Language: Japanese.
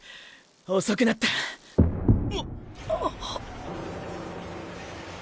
遅くなった！！っ！！